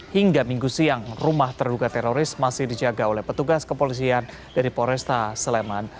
hingga minggu siang rumah terduga teroris masih dijaga oleh petugas kepolisian dari polresta sleman